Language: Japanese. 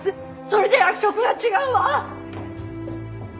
それじゃ約束が違うわ！